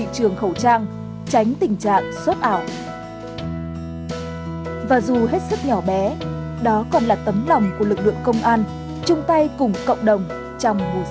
trầm bùi dịch